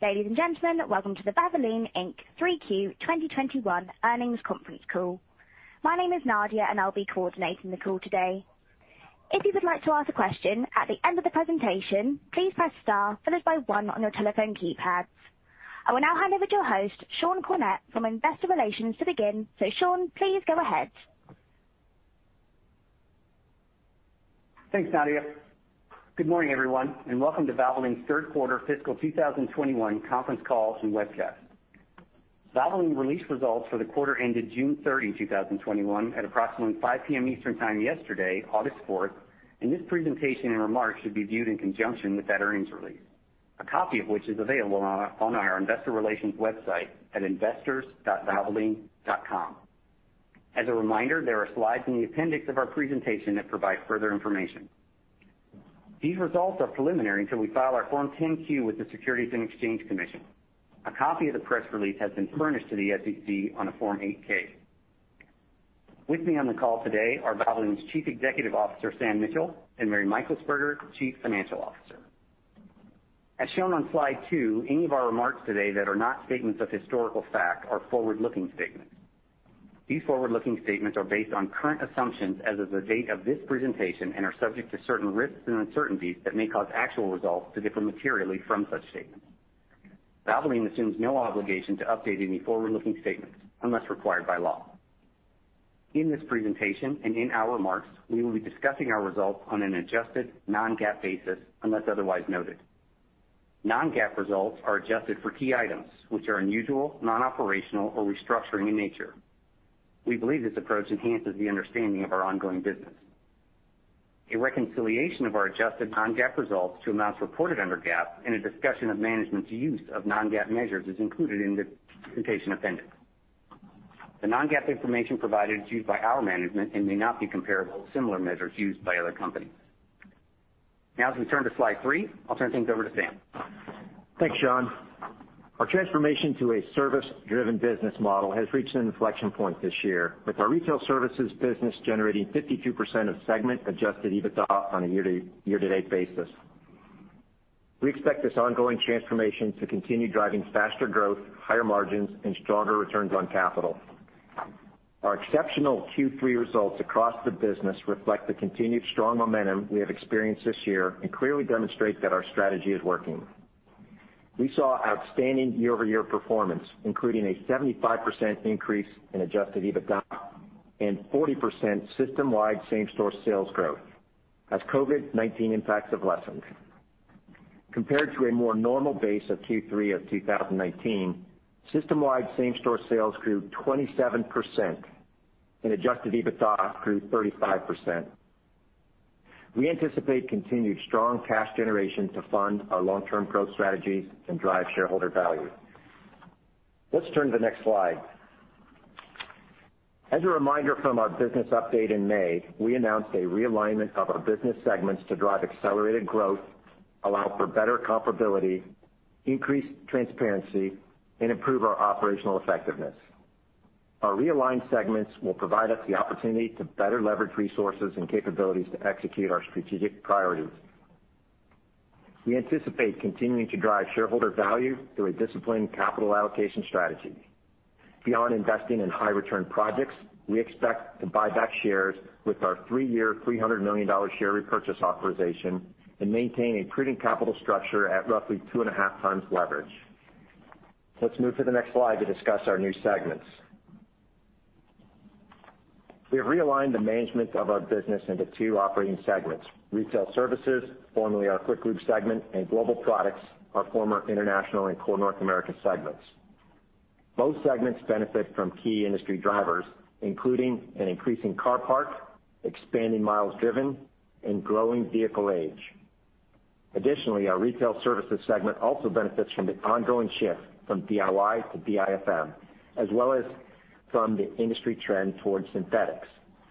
Ladies and gentlemen, welcome to the Valvoline Inc 3Q 2021 earnings conference call. My name is Nadia, and I'll be coordinating the call today. If you would like to ask a question at the end of the presentation, please press star followed by one on your telephone keypads. I will now hand over to your host, Sean Cornett, from investor relations to begin. Sean, please go ahead. Thanks, Nadia. Good morning, everyone, welcome to Valvoline's third quarter fiscal 2021 conference call and webcast. Valvoline released results for the quarter ended June 30, 2021, at approximately 5:00 P.M. Eastern Time yesterday, August 4th, and this presentation and remarks should be viewed in conjunction with that earnings release, a copy of which is available on our investor relations website at investors.valvoline.com. As a reminder, there are slides in the appendix of our presentation that provide further information. These results are preliminary until we file our Form 10-Q with the Securities and Exchange Commission. A copy of the press release has been furnished to the SEC on a Form 8-K. With me on the call today are Valvoline's Chief Executive Officer, Sam Mitchell, and Mary Meixelsperger, Chief Financial Officer. As shown on slide two, any of our remarks today that are not statements of historical fact are forward-looking statements. These forward-looking statements are based on current assumptions as of the date of this presentation and are subject to certain risks and uncertainties that may cause actual results to differ materially from such statements. Valvoline assumes no obligation to update any forward-looking statements unless required by law. In this presentation and in our remarks, we will be discussing our results on an adjusted non-GAAP basis unless otherwise noted. Non-GAAP results are adjusted for key items which are unusual, non-operational or restructuring in nature. We believe this approach enhances the understanding of our ongoing business. A reconciliation of our adjusted non-GAAP results to amounts reported under GAAP and a discussion of management's use of non-GAAP measures is included in the presentation appendix. The non-GAAP information provided is used by our management and may not be comparable to similar measures used by other companies. As we turn to slide three, I'll turn things over to Sam. Thanks, Sean Cornett. Our transformation to a service-driven business model has reached an inflection point this year, with our retail services business generating 52% of segment adjusted EBITDA on a year-to-date basis. We expect this ongoing transformation to continue driving faster growth, higher margins, and stronger returns on capital. Our exceptional Q3 results across the business reflect the continued strong momentum we have experienced this year and clearly demonstrate that our strategy is working. We saw outstanding year-over-year performance, including a 75% increase in adjusted EBITDA and 40% system-wide same-store sales growth as COVID-19 impacts have lessened. Compared to a more normal base of Q3 of 2019, system-wide same-store sales grew 27%, and adjusted EBITDA grew 35%. We anticipate continued strong cash generation to fund our long-term growth strategies and drive shareholder value. Let's turn to the next slide. As a reminder from our business update in May, we announced a realignment of our business segments to drive accelerated growth, allow for better comparability, increase transparency, and improve our operational effectiveness. Our realigned segments will provide us the opportunity to better leverage resources and capabilities to execute our strategic priorities. We anticipate continuing to drive shareholder value through a disciplined capital allocation strategy. Beyond investing in high return projects, we expect to buy back shares with our three-year, $300 million share repurchase authorization and maintain a prudent capital structure at roughly 2.5x leverage. Let's move to the next slide to discuss our new segments. We have realigned the management of our business into two operating segments, Retail Services, formerly our Quick Lube segment, and Global Products, our former International and Core North America segments. Both segments benefit from key industry drivers, including an increasing car parc, expanding miles driven, and growing vehicle age. Additionally, our retail services segment also benefits from the ongoing shift from DIY to DIFM, as well as from the industry trend towards synthetics,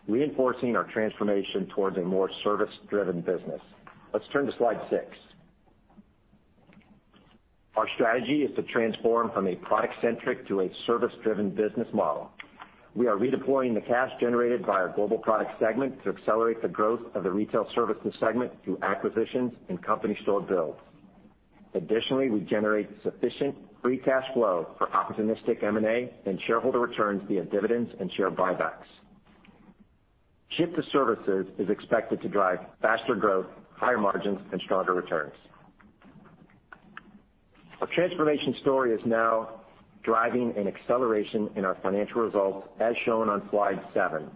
reinforcing our transformation towards a more service-driven business. Let's turn to slide six. Our strategy is to transform from a product-centric to a service-driven business model. We are redeploying the cash generated by our global product segment to accelerate the growth of the retail services segment through acquisitions and company store builds. Additionally, we generate sufficient free cash flow for opportunistic M&A and shareholder returns via dividends and share buybacks. Shift to services is expected to drive faster growth, higher margins, and stronger returns. Our transformation story is now driving an acceleration in our financial results, as shown on slide seven.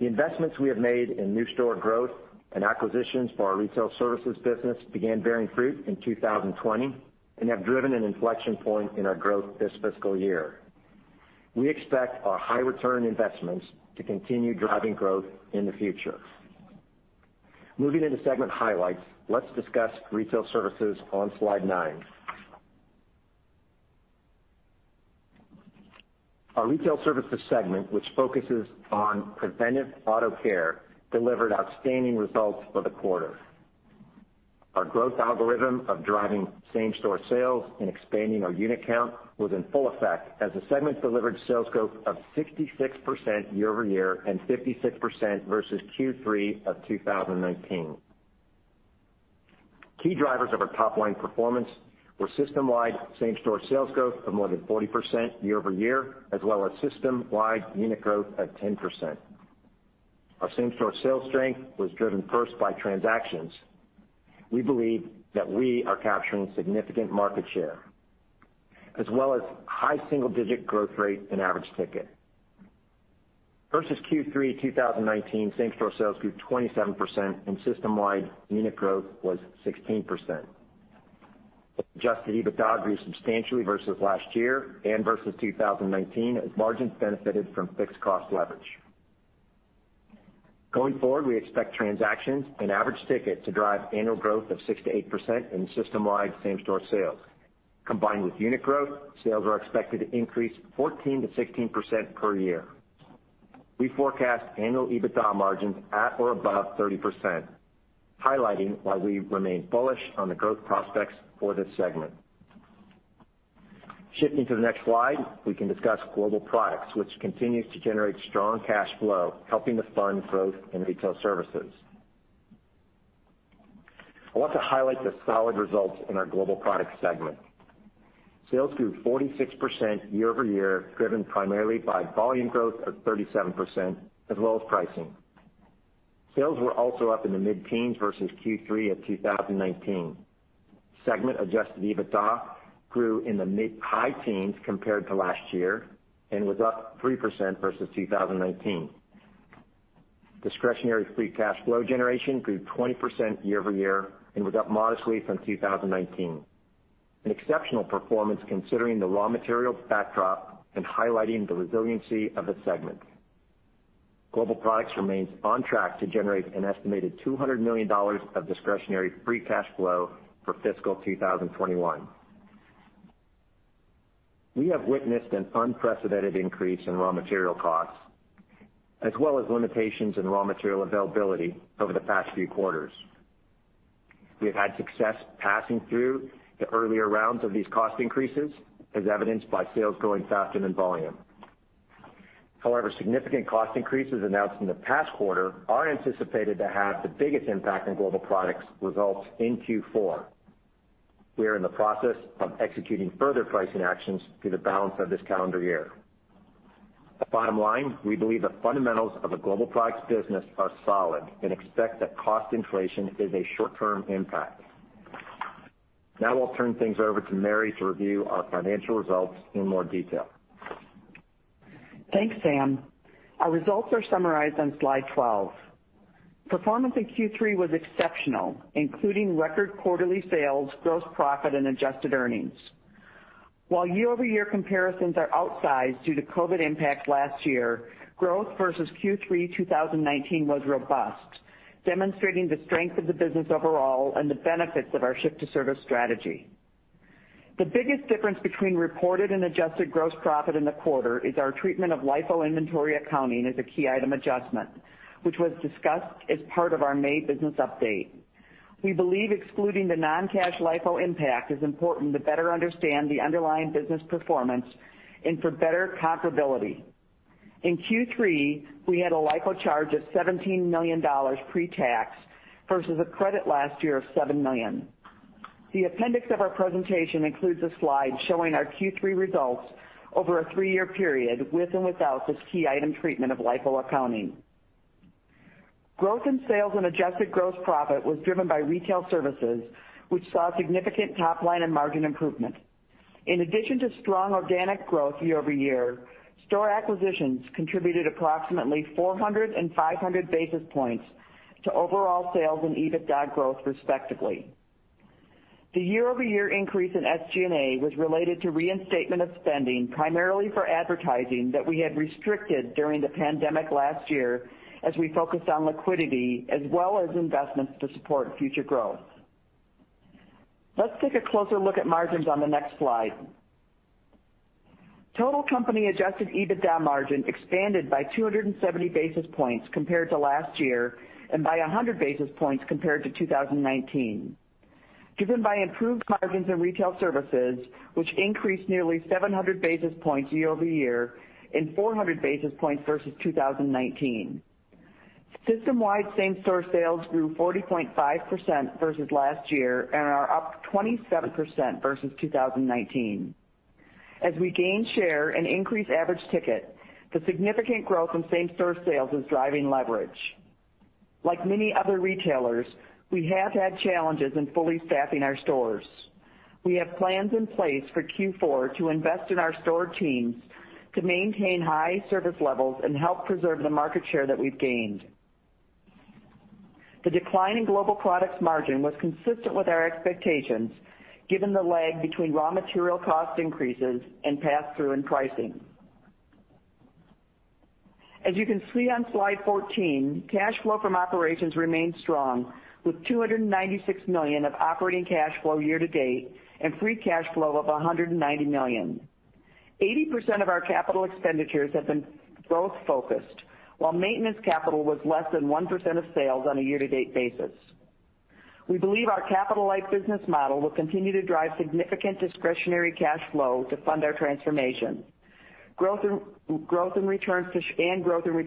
The investments we have made in new store growth and acquisitions for our retail services business began bearing fruit in 2020 and have driven an inflection point in our growth this fiscal year. We expect our high return investments to continue driving growth in the future. Moving into segment highlights, let's discuss retail services on slide nine. Our retail services segment, which focuses on preventive auto care, delivered outstanding results for the quarter. Our growth algorithm of driving same-store sales and expanding our unit count was in full effect as the segment delivered sales growth of 66% year-over-year and 56% versus Q3 of 2019. Key drivers of our top-line performance were system-wide same-store sales growth of more than 40% year-over-year, as well as system-wide unit growth of 10%. Our same-store sales strength was driven first by transactions. We believe that we are capturing significant market share, as well as high single-digit growth rate and average ticket. Versus Q3 2019, same-store sales grew 27% and system-wide unit growth was 16%. Adjusted EBITDA grew substantially versus last year and versus 2019 as margins benefited from fixed cost leverage. Going forward, we expect transactions and average ticket to drive annual growth of 6%-8% in system-wide same-store sales. Combined with unit growth, sales are expected to increase 14%-16% per year. We forecast annual EBITDA margins at or above 30%, highlighting why we remain bullish on the growth prospects for this segment. Shifting to the next slide, we can discuss Global Products, which continues to generate strong cash flow, helping to fund growth in Retail Services. I want to highlight the solid results in our Global Products segment. Sales grew 46% year-over-year, driven primarily by volume growth of 37%, as well as pricing. Sales were also up in the mid-teens versus Q3 of 2019. Segment adjusted EBITDA grew in the mid high teens compared to last year and was up 3% versus 2019. Discretionary free cash flow generation grew 20% year-over-year and was up modestly from 2019. An exceptional performance considering the raw materials backdrop and highlighting the resiliency of the segment. Global Products remains on track to generate an estimated $200 million of discretionary free cash flow for fiscal 2021. We have witnessed an unprecedented increase in raw material costs, as well as limitations in raw material availability over the past few quarters. We have had success passing through the earlier rounds of these cost increases, as evidenced by sales growing faster than volume. However, significant cost increases announced in the past quarter are anticipated to have the biggest impact on Global Products results in Q4. We are in the process of executing further pricing actions through the balance of this calendar year. The bottom line, we believe the fundamentals of the Global Products business are solid and expect that cost inflation is a short-term impact. Now I'll turn things over to Mary to review our financial results in more detail. Thanks, Sam. Our results are summarized on slide 12. Performance in Q3 was exceptional, including record quarterly sales, gross profit and adjusted earnings. Year-over-year comparisons are outsized due to COVID-19 impact last year, growth versus Q3 2019 was robust, demonstrating the strength of the business overall and the benefits of our shift to service strategy. The biggest difference between reported and adjusted gross profit in the quarter is our treatment of LIFO inventory accounting as a key item adjustment, which was discussed as part of our May business update. We believe excluding the non-cash LIFO impact is important to better understand the underlying business performance and for better comparability. In Q3, we had a LIFO charge of $17 million pre-tax versus a credit last year of $7 million. The appendix of our presentation includes a slide showing our Q3 results over a three-year period with and without this key item treatment of LIFO accounting. Growth in sales and adjusted gross profit was driven by retail services, which saw significant top line and margin improvement. In addition to strong organic growth year-over-year, store acquisitions contributed approximately 400 and 500 basis points to overall sales and EBITDA growth, respectively. The year-over-year increase in SG&A was related to reinstatement of spending, primarily for advertising that we had restricted during the pandemic last year as we focused on liquidity as well as investments to support future growth. Let's take a closer look at margins on the next slide. Total company adjusted EBITDA margin expanded by 270 basis points compared to last year and by 100 basis points compared to 2019. Driven by improved margins in retail services, which increased nearly 700 basis points year-over-year and 400 basis points versus 2019. System-wide same-store sales grew 40.5% versus last year and are up 27% versus 2019. As we gain share and increase average ticket, the significant growth in same-store sales is driving leverage. Like many other retailers, we have had challenges in fully staffing our stores. We have plans in place for Q4 to invest in our store teams to maintain high service levels and help preserve the market share that we've gained. The decline in Global Products margin was consistent with our expectations, given the lag between raw material cost increases and pass-through in pricing. As you can see on slide 14, cash flow from operations remained strong with $296 million of operating cash flow year to date and free cash flow of $190 million. 80% of our capital expenditures have been growth focused, while maintenance capital was less than 1% of sales on a year-to-date basis. We believe our capital-light business model will continue to drive significant discretionary cash flow to fund our transformation and growth in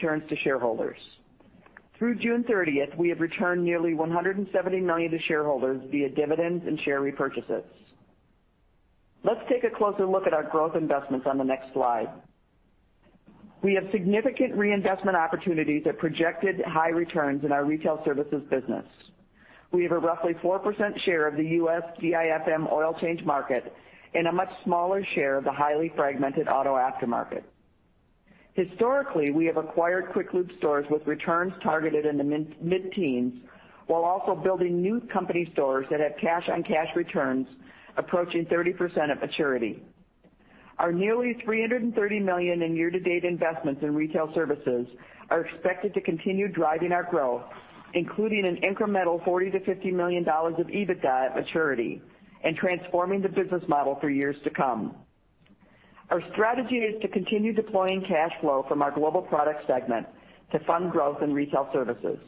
returns to shareholders. Through June 30th, we have returned nearly $170 million to shareholders via dividends and share repurchases. Let's take a closer look at our growth investments on the next slide. We have significant reinvestment opportunities at projected high returns in our retail services business. We have a roughly 4% share of the U.S. DIFM oil change market and a much smaller share of the highly fragmented auto aftermarket. Historically, we have acquired Quick Lube stores with returns targeted in the mid-teens, while also building new company stores that have cash-on-cash returns approaching 30% at maturity. Our nearly $330 million in year-to-date investments in retail services are expected to continue driving our growth, including an incremental $40 million-$50 million of EBITDA at maturity and transforming the business model for years to come. Our strategy is to continue deploying cash flow from our global product segment to fund growth in retail services.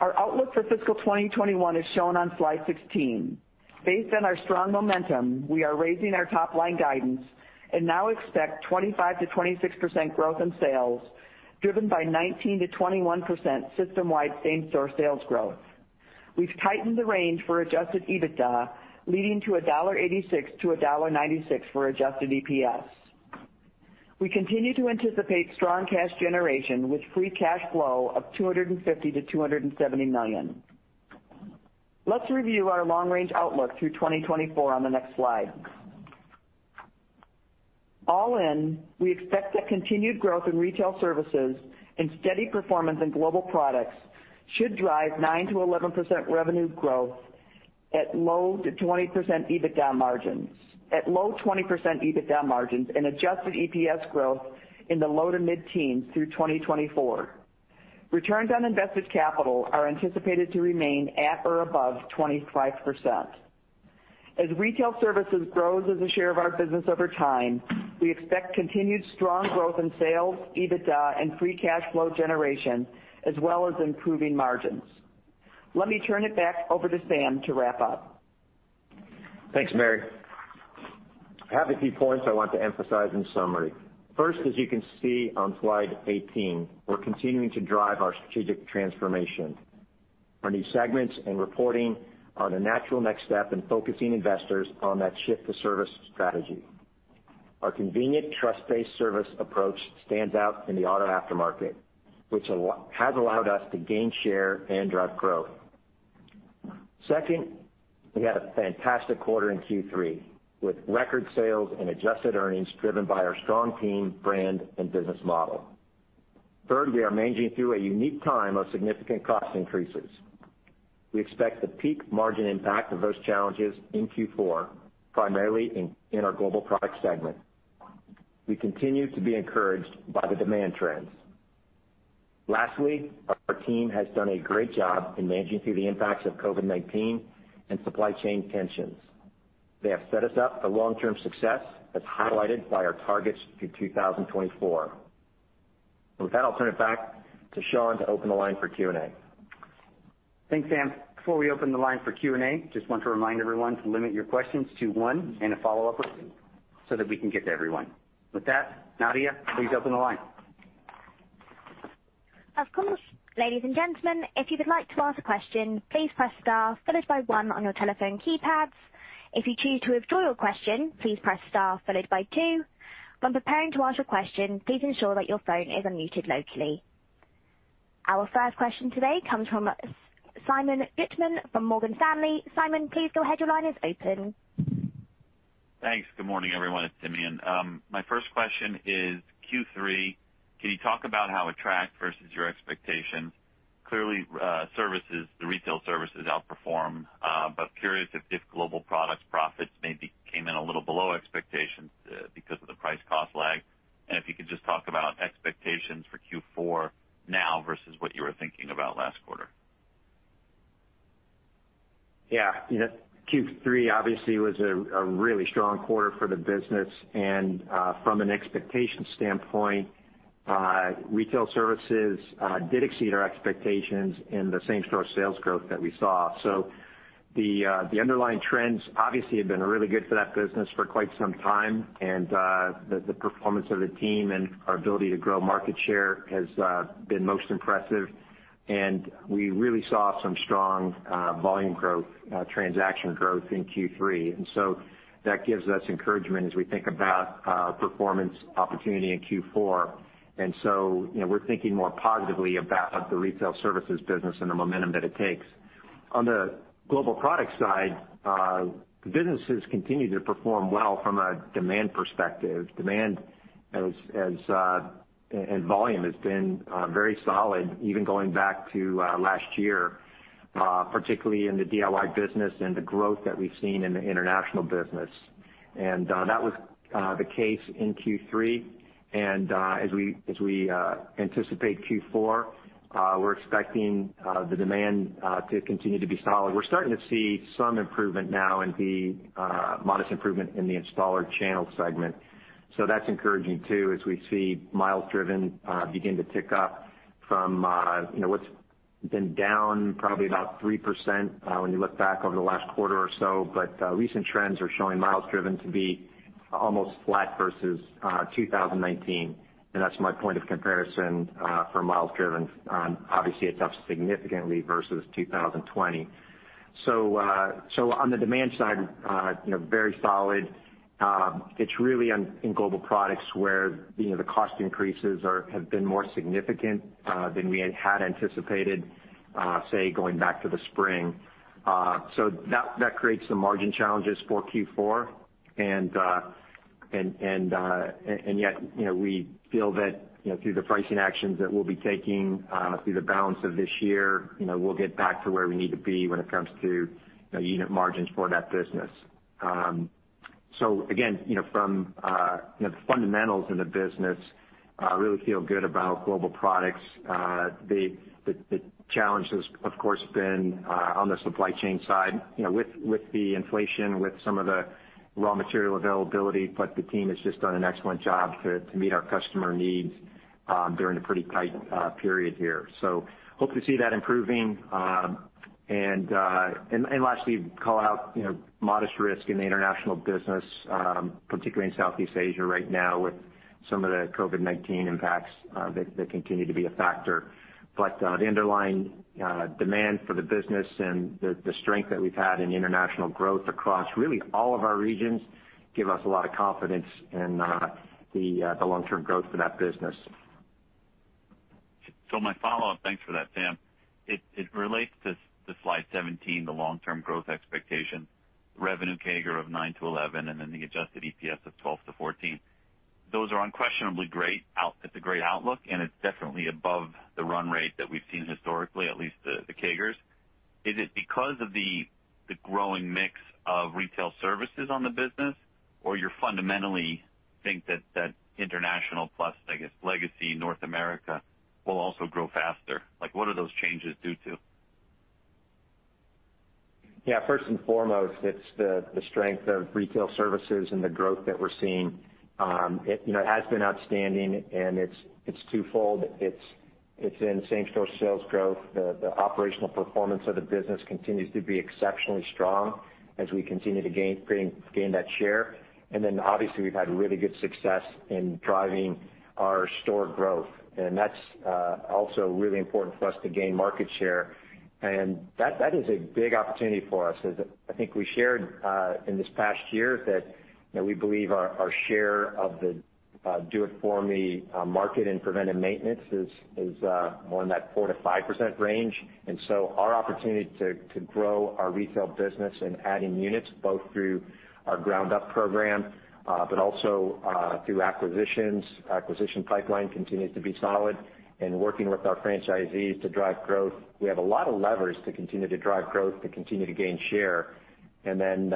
Our outlook for fiscal 2021 is shown on slide 16. Based on our strong momentum, we are raising our top-line guidance and now expect 25%-26% growth in sales, driven by 19%-21% system-wide same-store sales growth. We've tightened the range for adjusted EBITDA, leading to $1.86-$1.96 for adjusted EPS. We continue to anticipate strong cash generation with free cash flow of $250 million-$270 million. Let's review our long-range outlook through 2024 on the next slide. All in, we expect that continued growth in retail services and steady performance in Global Products should drive 9%-11% revenue growth at low to 20% EBITDA margins and adjusted EPS growth in the low to mid-teens through 2024. Returns on invested capital are anticipated to remain at or above 25%. As retail services grows as a share of our business over time, we expect continued strong growth in sales, EBITDA, and free cash flow generation, as well as improving margins. Let me turn it back over to Sam to wrap up. Thanks, Mary. I have a few points I want to emphasize in summary. First, as you can see on slide 18, we're continuing to drive our strategic transformation. Our new segments and reporting are the natural next step in focusing investors on that shift to service strategy. Our convenient trust-based service approach stands out in the auto aftermarket, which has allowed us to gain share and drive growth. Second, we had a fantastic quarter in Q3 with record sales and adjusted earnings driven by our strong team, brand, and business model. Third, we are managing through a unique time of significant cost increases. We expect the peak margin impact of those challenges in Q4, primarily in our global product segment. We continue to be encouraged by the demand trends. Lastly, our team has done a great job in managing through the impacts of COVID-19 and supply chain tensions. They have set us up for long-term success as highlighted by our targets through 2024. With that, I'll turn it back to Sean to open the line for Q&A. Thanks, Sam. Before we open the line for Q&A, just want to remind everyone to limit your questions to one and a follow-up so that we can get to everyone. With that, Nadia, please open the line. Of course. Ladies and gentlemen, if you would like to ask a question, please press star followed by one on your telephone keypads. If you choose to withdraw your question, please press star followed by two. When preparing to ask a question, please ensure that your phone is unmuted locally. Our first question today comes from Simeon Gutman from Morgan Stanley. Simeon, please go ahead. Your line is open. Thanks. Good morning, everyone. It's Simeon. My first question is Q3. Can you talk about how it tracked versus your expectations? Clearly, the retail services outperformed, but curious if Global Products profits maybe came in a little below expectations because of the price cost lag. If you could just talk about expectations for Q4 now versus what you were thinking about last quarter. Yeah. Q3 obviously was a really strong quarter for the business and, from an expectation standpoint, retail services did exceed our expectations in the same store sales growth that we saw. The underlying trends obviously have been really good for that business for quite some time, and the performance of the team and our ability to grow market share has been most impressive. We really saw some strong volume growth, transaction growth in Q3. That gives us encouragement as we think about performance opportunity in Q4. We're thinking more positively about the retail services business and the momentum that it takes. On the global product side, the business has continued to perform well from a demand perspective. Demand and volume has been very solid, even going back to last year, particularly in the DIY business and the growth that we've seen in the international business. That was the case in Q3. As we anticipate Q4, we're expecting the demand to continue to be solid. We're starting to see some improvement now in the modest improvement in the installer channel segment. That's encouraging too, as we see miles driven begin to tick up from what's been down probably about 3% when you look back over the last quarter or so. Recent trends are showing miles driven to be almost flat versus 2019, and that's my point of comparison for miles driven. Obviously, it's up significantly versus 2020. On the demand side, very solid. It's really in Global Products where the cost increases have been more significant than we had anticipated, say, going back to the spring. That creates some margin challenges for Q4. Yet, we feel that through the pricing actions that we'll be taking through the balance of this year, we'll get back to where we need to be when it comes to unit margins for that business. Again, from the fundamentals in the business, really feel good about Global Products. The challenge has, of course, been on the supply chain side with the inflation, with some of the raw material availability. The team has just done an excellent job to meet our customer needs during a pretty tight period here. Hope to see that improving. Lastly, call out modest risk in the international business, particularly in Southeast Asia right now with some of the COVID-19 impacts that continue to be a factor. The underlying demand for the business and the strength that we've had in international growth across really all of our regions give us a lot of confidence in the long-term growth of that business. My follow-up, thanks for that, Sam. It relates to slide 17, the long-term growth expectation, revenue CAGR of 9%-11%, and then the adjusted EPS of 12%-14%. Those are unquestionably great. It's a great outlook, and it's definitely above the run rate that we've seen historically, at least the CAGRs. Is it because of the growing mix of retail services on the business, or you fundamentally think that international plus, I guess, legacy North America will also grow faster? What are those changes due to? Yeah, first and foremost, it's the strength of retail services and the growth that we're seeing. It has been outstanding, and it's twofold. It's in same-store sales growth. The operational performance of the business continues to be exceptionally strong as we continue to gain that share. Obviously, we've had really good success in driving our store growth, and that's also really important for us to gain market share. That is a big opportunity for us. As I think we shared in this past year, that we believe our share of the do-it-for-me market and preventive maintenance is more in that 4%-5% range. Our opportunity to grow our retail business and adding units both through our ground-up program but also through acquisitions, acquisition pipeline continues to be solid and working with our franchisees to drive growth. We have a lot of levers to continue to drive growth, to continue to gain share, and then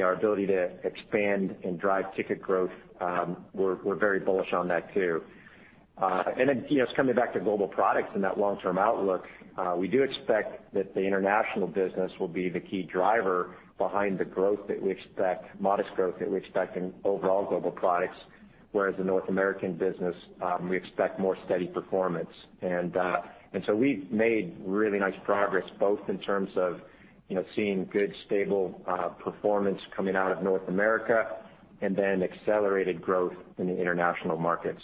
our ability to expand and drive ticket growth, we're very bullish on that, too. Then just coming back to Global Products and that long-term outlook, we do expect that the international business will be the key driver behind the modest growth that we expect in overall Global Products, whereas the North American business, we expect more steady performance. So we've made really nice progress, both in terms of seeing good, stable performance coming out of North America and then accelerated growth in the international markets.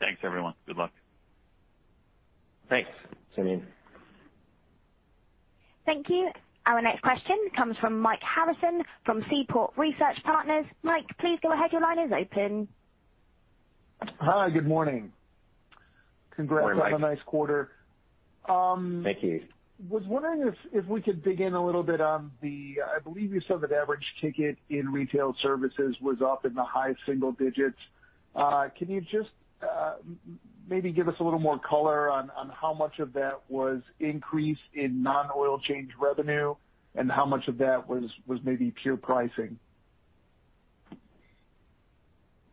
Thanks, everyone. Good luck. Thanks, Simeon. Thank you. Our next question comes from Mike Harrison from Seaport Research Partners. Mike, please go ahead. Your line is open. Hi, good morning. Good morning, Mike. Congrats on a nice quarter. Thank you. Was wondering if we could dig in a little bit on the, I believe you said that average ticket in retail services was up in the high single digits. Can you just maybe give us a little more color on how much of that was increase in non-oil change revenue and how much of that was maybe pure pricing?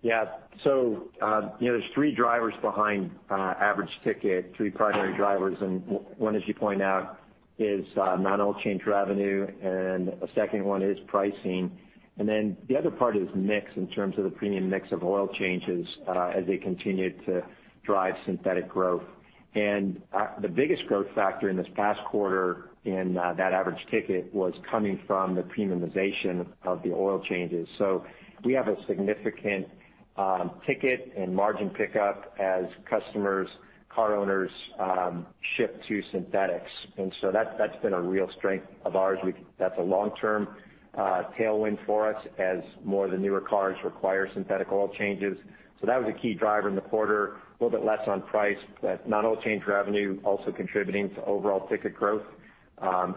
Yeah. There's three drivers behind average ticket, three primary drivers, and one, as you point out, is non-oil change revenue, and a second one is pricing. The other part is mix in terms of the premium mix of oil changes as they continue to drive synthetic growth. The biggest growth factor in this past quarter in that average ticket was coming from the premiumization of the oil changes. We have a significant ticket and margin pickup as customers, car owners shift to synthetics. That's been a real strength of ours. That's a long-term tailwind for us as more of the newer cars require synthetic oil changes. That was a key driver in the quarter. A little bit less on price, but non-oil change revenue also contributing to overall ticket growth.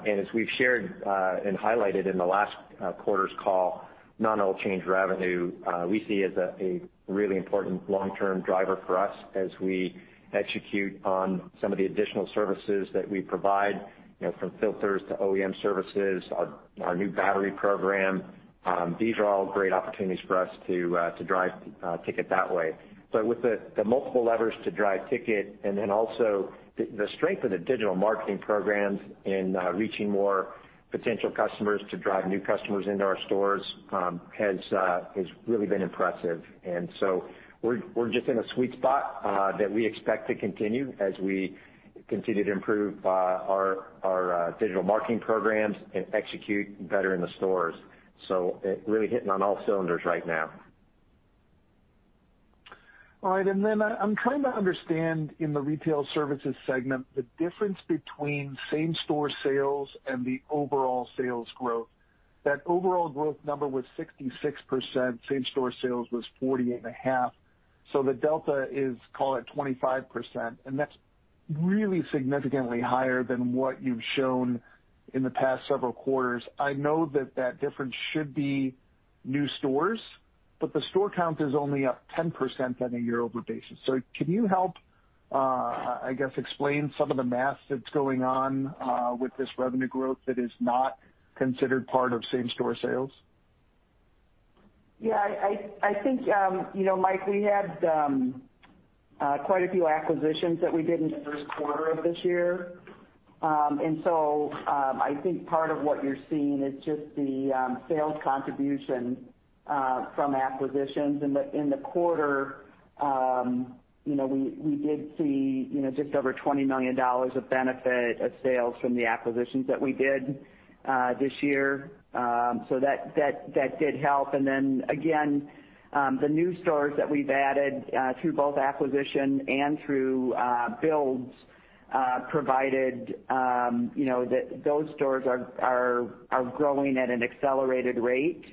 As we've shared and highlighted in the last quarter's call, non-oil change revenue we see as a really important long-term driver for us as we execute on some of the additional services that we provide, from filters to OEM services, our new battery program. These are all great opportunities for us to drive ticket that way. With the multiple levers to drive ticket and then also the strength of the digital marketing programs in reaching more potential customers to drive new customers into our stores has really been impressive. We're just in a sweet spot that we expect to continue as we continue to improve our digital marketing programs and execute better in the stores. It really hitting on all cylinders right now. All right. I'm trying to understand in the Retail Services segment, the difference between same-store sales and the overall sales growth. That overall growth number was 66%. Same-store sales was 48.5%. The delta is, call it 25%, and that's really significantly higher than what you've shown in the past several quarters. I know that difference should be new stores, but the store count is only up 10% on a year-over-year basis. Can you help explain some of the math that's going on with this revenue growth that is not considered part of same-store sales? I think, Mike, we had quite a few acquisitions that we did in the first quarter of this year. I think part of what you're seeing is just the sales contribution from acquisitions. In the quarter, we did see just over $20 million of benefit of sales from the acquisitions that we did this year. That did help. Again, the new stores that we've added through both acquisition and through builds provided that those stores are growing at an accelerated rate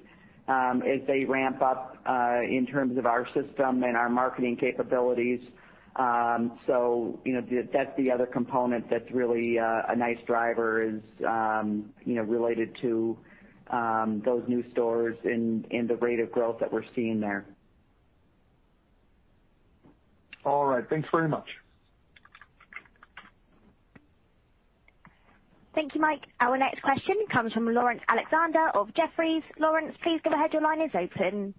as they ramp up in terms of our system and our marketing capabilities. That's the other component that's really a nice driver, is related to those new stores and the rate of growth that we're seeing there. All right. Thanks very much. Thank you, Mike. Our next question comes from Laurence Alexander of Jefferies. Laurence, please go ahead. Your line is open.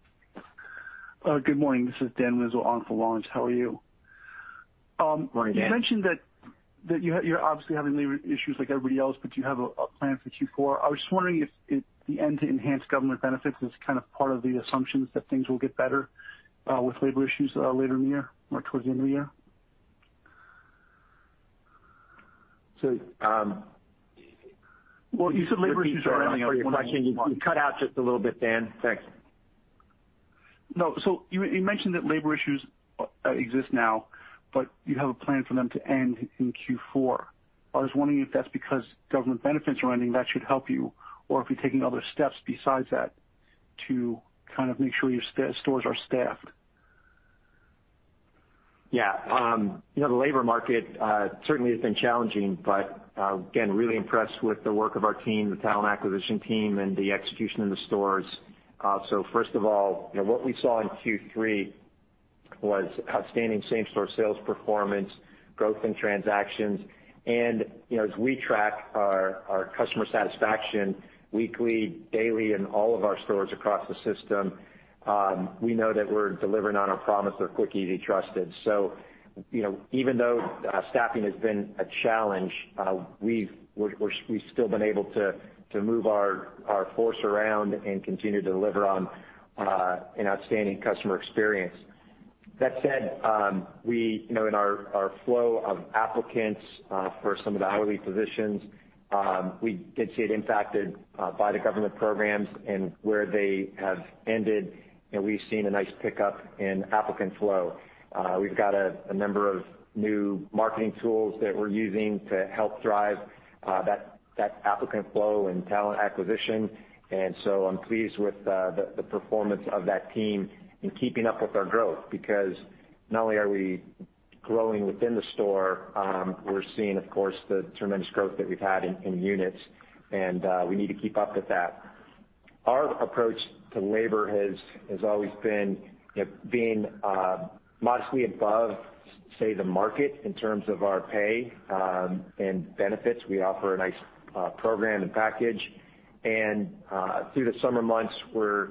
Good morning. This is Dan Rizzo on for Laurence. How are you? Morning, Dan. You mentioned that you're obviously having labor issues like everybody else, you have a plan for Q4. I was just wondering if the end to enhanced government benefits is part of the assumptions that things will get better with labor issues later in the year or towards the end of the year. So- You said labor issues are ending at one point. Repeat that for your question. You cut out just a little bit, Dan. Thanks. No. You mentioned that labor issues exist now, but you have a plan for them to end in Q4. I was wondering if that's because government benefits are ending, that should help you, or if you're taking other steps besides that to make sure your stores are staffed. The labor market certainly has been challenging, again, really impressed with the work of our team, the talent acquisition team, and the execution in the stores. First of all, what we saw in Q3 was outstanding same-store sales performance, growth in transactions. As we track our customer satisfaction weekly, daily in all of our stores across the system, we know that we're delivering on our promise of quick, easy, trusted. Even though staffing has been a challenge, we've still been able to move our force around and continue to deliver on an outstanding customer experience. That said, in our flow of applicants for some of the hourly positions, we did see it impacted by the government programs and where they have ended, we've seen a nice pickup in applicant flow. We've got a number of new marketing tools that we're using to help drive that applicant flow and talent acquisition. I'm pleased with the performance of that team in keeping up with our growth, because not only are we growing within the store, we're seeing, of course, the tremendous growth that we've had in units, and we need to keep up with that. Our approach to labor has always been being modestly above, say, the market in terms of our pay and benefits. We offer a nice program and package. Through the summer months, we've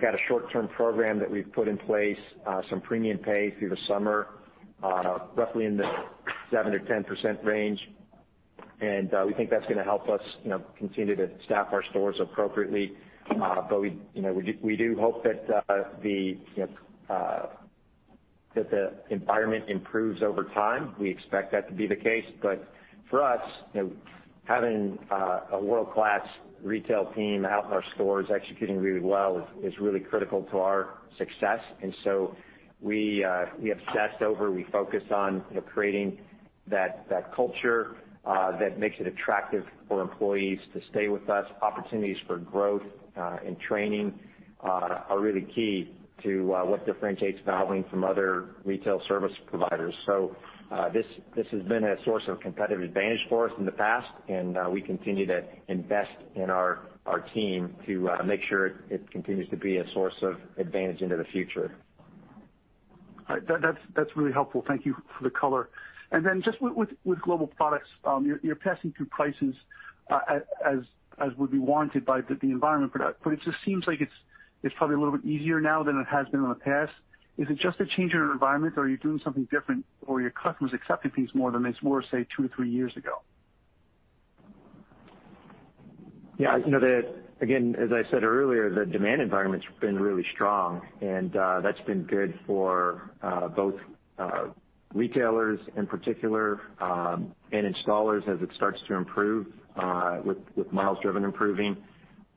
got a short-term program that we've put in place, some premium pay through the summer, roughly in the 7%-10% range. We think that's going to help us continue to staff our stores appropriately. We do hope that the environment improves over time. We expect that to be the case. For us, having a world-class retail team out in our stores executing really well is really critical to our success. We obsess over, we focus on creating that culture that makes it attractive for employees to stay with us. Opportunities for growth and training are really key to what differentiates Valvoline from other retail service providers. This has been a source of competitive advantage for us in the past, and we continue to invest in our team to make sure it continues to be a source of advantage into the future. All right. That's really helpful. Thank you for the color. Then just with Global Products, you're passing through prices as would be warranted by the environment, but it just seems like it's probably a little bit easier now than it has been in the past. Is it just a change in your environment, or are you doing something different, or are your customers accepting things more than it's more, say, two or three years ago? Yeah. Again, as I said earlier, the demand environment's been really strong, and that's been good for both Retailers in particular, and installers as it starts to improve with miles driven improving.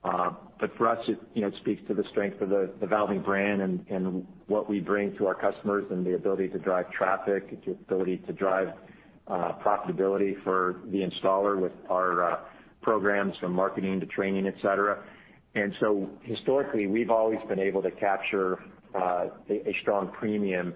For us, it speaks to the strength of the Valvoline brand and what we bring to our customers and the ability to drive traffic, the ability to drive profitability for the installer with our programs from marketing to training, et cetera. Historically, we've always been able to capture a strong premium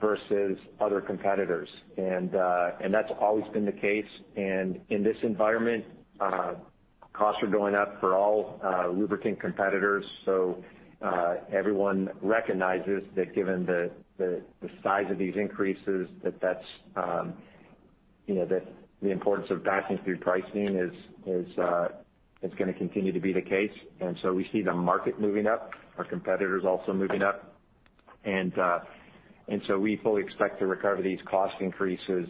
versus other competitors. That's always been the case. In this environment, costs are going up for all lubricant competitors. Everyone recognizes that given the size of these increases, that the importance of passing through pricing is going to continue to be the case. We see the market moving up, our competitors also moving up. We fully expect to recover these cost increases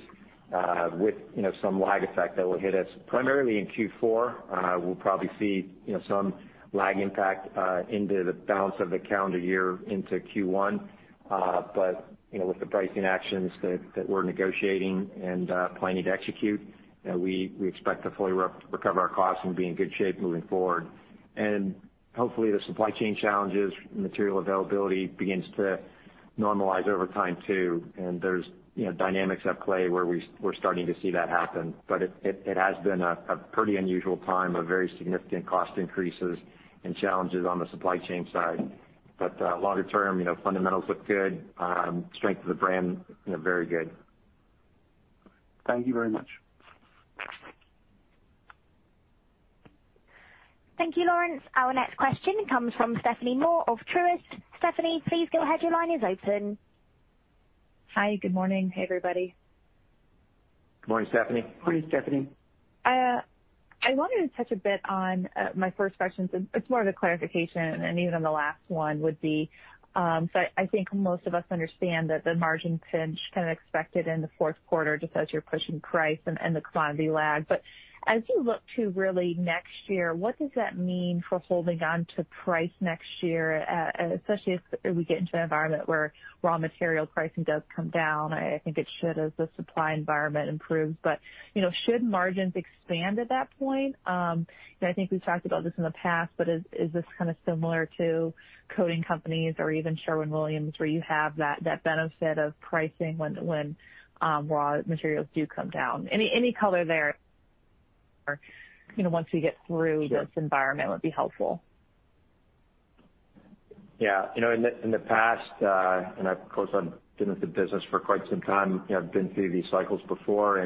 with some lag effect that will hit us primarily in Q4. We'll probably see some lag impact into the balance of the calendar year into Q1. With the pricing actions that we're negotiating and planning to execute, we expect to fully recover our costs and be in good shape moving forward. Hopefully the supply chain challenges, material availability begins to normalize over time too. There's dynamics at play where we're starting to see that happen. It has been a pretty unusual time of very significant cost increases and challenges on the supply chain side. Longer term, fundamentals look good. Strength of the brand, very good. Thank you very much. Thank you, Laurence. Our next question comes from Stephanie Moore of Truist. Stephanie, please go ahead. Your line is open. Hi, good morning. Hey, everybody. Good morning, Stephanie. Morning, Stephanie. I wanted to touch a bit on my first question. It's more of a clarification. Even the last one would be. I think most of us understand that the margin pinch kind of expected in the fourth quarter, just as you're pushing price and the quantity lag. As you look to really next year, what does that mean for holding on to price next year, especially as we get into an environment where raw material pricing does come down? I think it should as the supply environment improves. Should margins expand at that point? I think we've talked about this in the past, is this kind of similar to coatings companies or even Sherwin-Williams, where you have that benefit of pricing when raw materials do come down? Any color there, once we get through this environment would be helpful. Yeah. In the past, of course, I've been with the business for quite some time, I've been through these cycles before.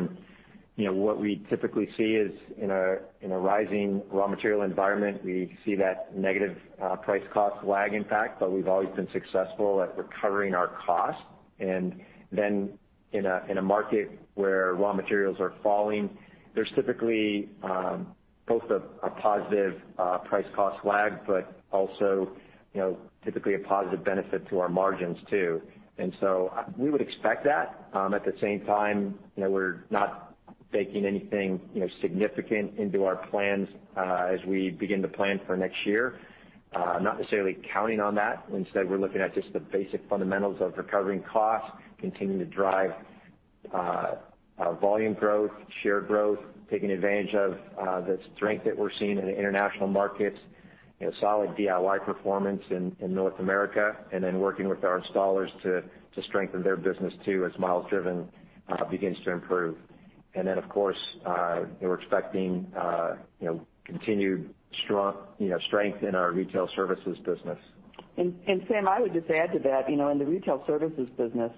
What we typically see is in a rising raw material environment, we see that negative price cost lag impact, but we've always been successful at recovering our cost. In a market where raw materials are falling, there's typically both a positive price cost lag, but also typically a positive benefit to our margins too. We would expect that. At the same time, we're not baking anything significant into our plans as we begin to plan for next year, not necessarily counting on that. We're looking at just the basic fundamentals of recovering costs, continuing to drive volume growth, share growth, taking advantage of the strength that we're seeing in the international markets, solid DIY performance in North America, and then working with our installers to strengthen their business too as miles driven begins to improve. Of course, we're expecting continued strength in our retail services business. Sam, I would just add to that. In the retail services business,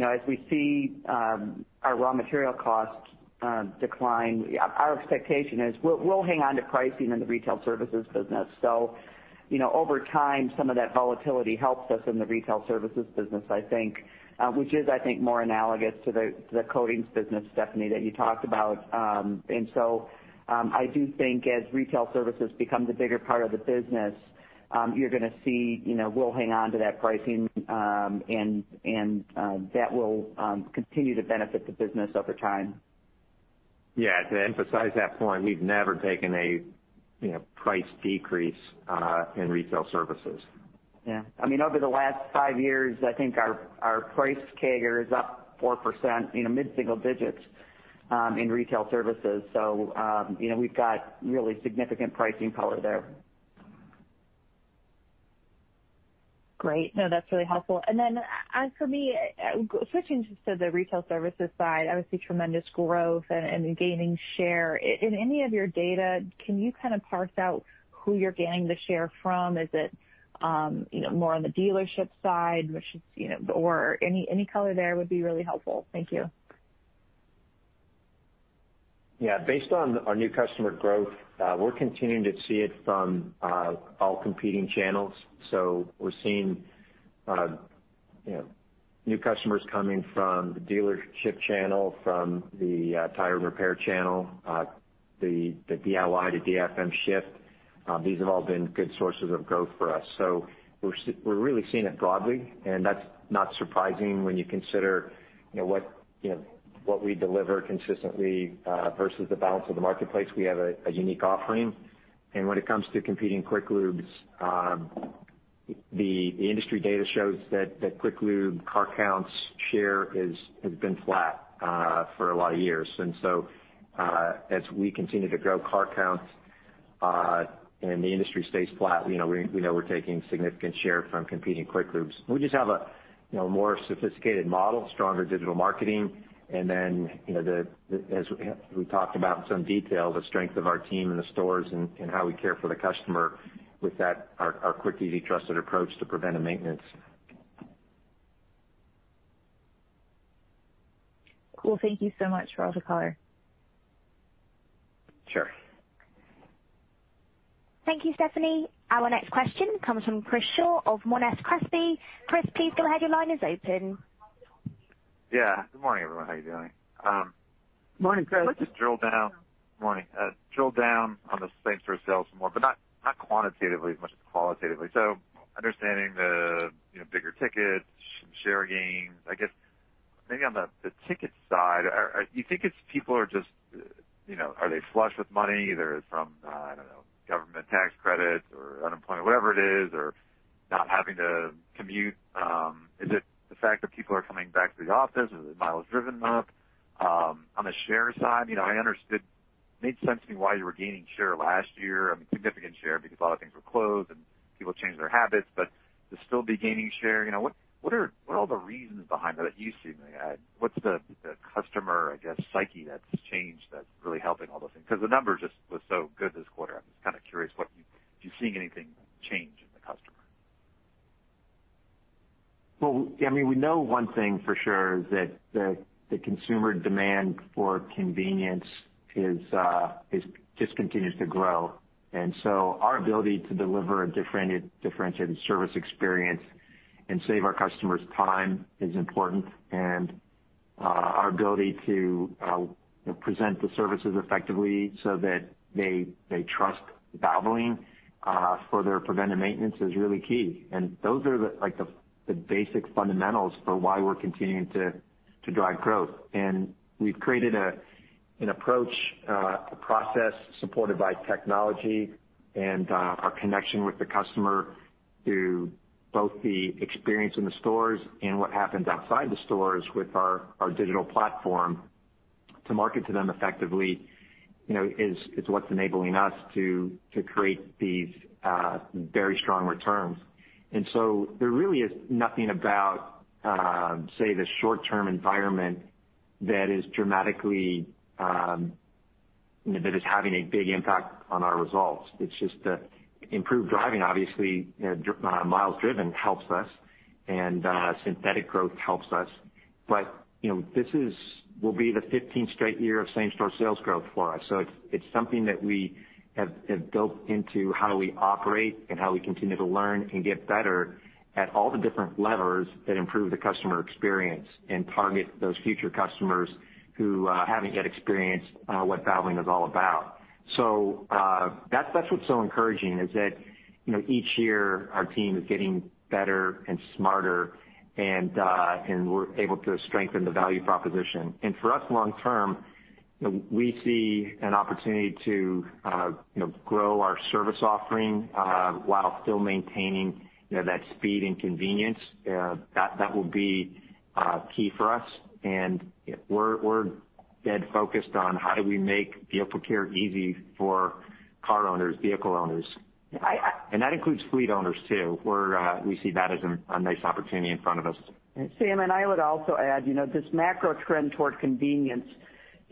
as we see our raw material costs decline, our expectation is we'll hang on to pricing in the retail services business. Over time, some of that volatility helps us in the retail services business, I think, which is, I think more analogous to the coatings business, Stephanie, that you talked about. I do think as retail services become the bigger part of the business, you're going to see we'll hang on to that pricing, and that will continue to benefit the business over time. Yeah. To emphasize that point, we've never taken a price decrease in retail services. Yeah. Over the last five years, I think our price CAGR is up 4%, mid-single digits in retail services. We've got really significant pricing power there. Great. No, that's really helpful. As for me, switching to the retail services side, obviously tremendous growth and gaining share. In any of your data, can you kind of parse out who you're gaining the share from? Is it more on the dealership side, or any color there would be really helpful? Thank you. Yeah. Based on our new customer growth, we're continuing to see it from all competing channels. We're seeing new customers coming from the dealership channel, from the tire repair channel, the DIY to DIFM shift. These have all been good sources of growth for us. We're really seeing it broadly, and that's not surprising when you consider what we deliver consistently versus the balance of the marketplace. We have a unique offering. When it comes to competing Quick Lubes, the industry data shows that Quick Lube car counts share has been flat for a lot of years. As we continue to grow car counts and the industry stays flat, we know we're taking significant share from competing Quick Lubes. We just have a more sophisticated model, stronger digital marketing, and then as we talked about in some detail, the strength of our team in the stores and how we care for the customer with that, our quick, easy, trusted approach to preventive maintenance. Cool. Thank you so much, for all the color. Sure. Thank you, Stephanie. Our next question comes from Chris Shaw of Monness Crespi. Chris, please go ahead. Your line is open. Yeah. Good morning, everyone. How are you doing? Morning, Chris. Let's just drill down. Morning. Drill down on the same-store sales more, but not quantitatively as much as qualitatively. Understanding the bigger tickets, some share gains, I guess maybe on the ticket side, you think it's people are just, are they flush with money either from, I don't know, government tax credits or unemployment, whatever it is, or not having to commute? Is it the fact that people are coming back to the office? Is it miles driven up? On the share side, it made sense to me why you were gaining share last year, I mean significant share, because a lot of things were closed and people changed their habits. To still be gaining share, what are all the reasons behind that you see? What's the customer, I guess, psyche that's changed that's really helping all those things? Because the number just was so good this quarter, I'm just kind of curious if you're seeing anything change in the customer? Well, we know one thing for sure is that the consumer demand for convenience just continues to grow. Our ability to deliver a differentiated service experience and save our customers time is important, and our ability to present the services effectively so that they trust Valvoline for their preventative maintenance is really key. Those are the basic fundamentals for why we're continuing to drive growth. We've created an approach, a process supported by technology and our connection with the customer through both the experience in the stores and what happens outside the stores with our digital platform to market to them effectively, is what's enabling us to create these very strong returns. There really is nothing about, say, the short-term environment that is dramatically having a big impact on our results. It's just the improved driving, obviously, miles driven helps us, and synthetic growth helps us. This will be the 15th straight year of same-store sales growth for us. It's something that we have built into how we operate and how we continue to learn and get better at all the different levers that improve the customer experience and target those future customers who haven't yet experienced what Valvoline is all about. That's what's so encouraging is that each year our team is getting better and smarter and we're able to strengthen the value proposition. For us long-term, we see an opportunity to grow our service offering while still maintaining that speed and convenience. That will be key for us, and we're dead focused on how do we make vehicle care easy for car owners, vehicle owners. That includes fleet owners, too. We see that as a nice opportunity in front of us. Sam, I would also add, this macro trend toward convenience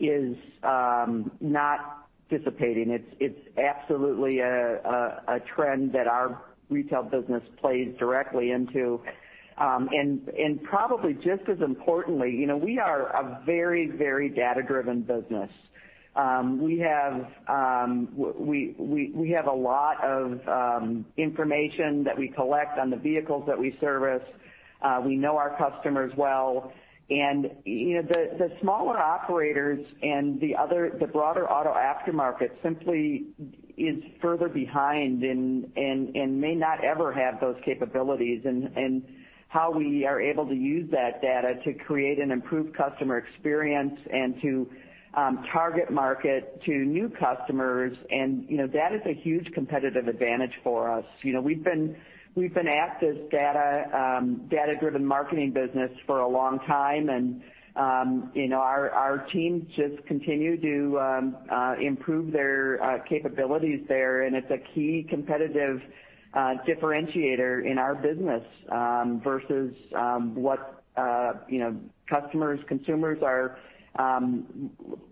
is not dissipating. It's absolutely a trend that our retail business plays directly into. Probably just as importantly, we are a very data-driven business. We have a lot of information that we collect on the vehicles that we service. We know our customers well. The smaller operators and the broader auto aftermarket simply is further behind and may not ever have those capabilities and how we are able to use that data to create an improved customer experience and to target market to new customers, and that is a huge competitive advantage for us. We've been at this data-driven marketing business for a long time, and our teams just continue to improve their capabilities there, and it's a key competitive differentiator in our business versus what customers, consumers are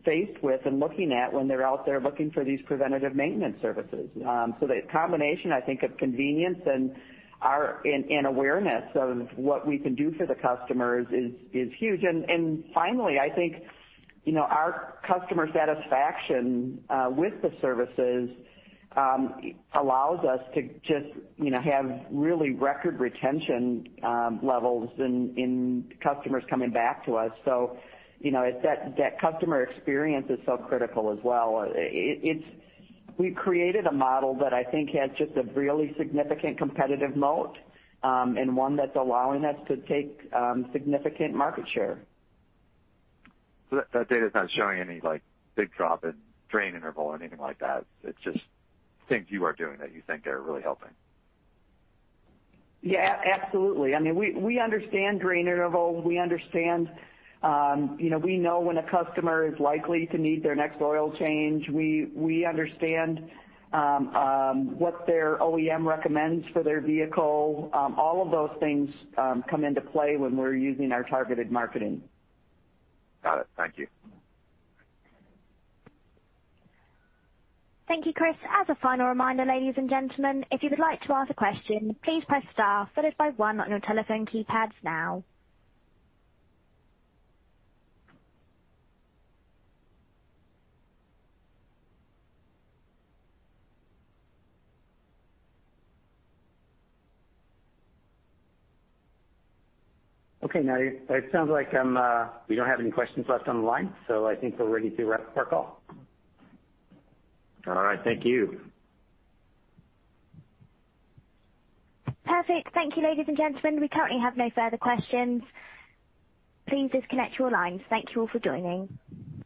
faced with and looking at when they're out there looking for these preventative maintenance services. The combination, I think, of convenience and awareness of what we can do for the customers is huge. Finally, I think our customer satisfaction with the services allows us to just have really record retention levels in customers coming back to us. That customer experience is so critical as well. We've created a model that I think has just a really significant competitive moat, and one that's allowing us to take significant market share. That data is not showing any big drop in drain interval or anything like that. It's just things you are doing that you think are really helping. Absolutely. We understand drain interval. We know when a customer is likely to need their next oil change. We understand what their OEM recommends for their vehicle. All of those things come into play when we're using our targeted marketing. Got it. Thank you. Thank you, Chris. As a final reminder, ladies and gentlemen, if you would like to ask a question, please press star followed by one on your telephone keypads now. Okay, it sounds like we don't have any questions left on the line. I think we're ready to wrap up our call. All right. Thank you. Perfect. Thank you, ladies and gentlemen. We currently have no further questions. Please disconnect your lines. Thank you all for joining.